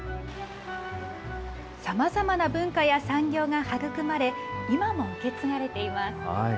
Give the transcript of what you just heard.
さまざまな文化や産業が育まれ、今も受け継がれています。